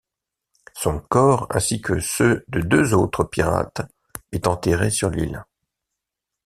Son corps, ainsi que ceux de deux autres pirates, est enterré sur l'île.